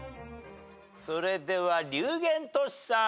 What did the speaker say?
それでは龍玄としさん。